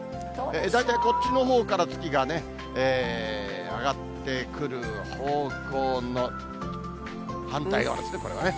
大体こっちのほうから月が上がってくる方向の反対側ですね、これがね。